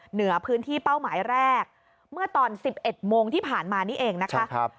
เหนือพื้นที่เป้าหมายแรกเมื่อตอน๑๑โมงที่ผ่านมานี่เองนะคะ